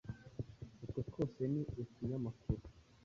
Utwo twose ni utunyamakuru,